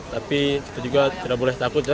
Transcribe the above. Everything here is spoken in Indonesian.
tapi kita juga tidak boleh takut ya